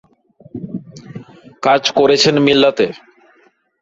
কাজ করেছেন মিল্লাত-এ।